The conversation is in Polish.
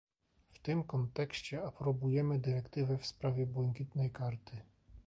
W tym kontekście aprobujemy dyrektywę w sprawie błękitnej karty